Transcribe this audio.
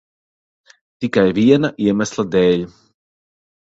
Tikai viena iemesla dēļ.